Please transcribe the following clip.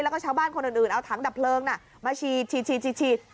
แล้วก็ชาวบ้านคนอื่นเอาถังดับเพลิงมาฉีด